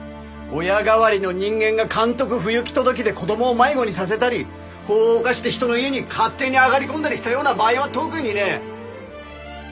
親代わりの人間が監督不行き届きで子どもを迷子にさせたり法を犯して人の家に勝手に上がり込んだりしたような場合は特にね。